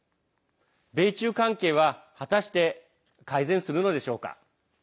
米中関係は果たして改善するのでしょうか。